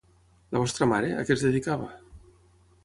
La vostra mare, a què es dedicava?